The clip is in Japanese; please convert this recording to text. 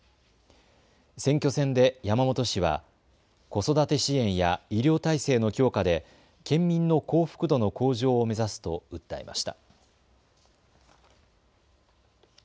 選挙戦で山本氏は子育て支援や医療体制の強化で県民の幸福度の向上を目指すと訴えました。